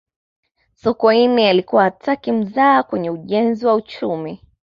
sokoine alikuwa hataki mzaha kwenye ujenzi wa uchumi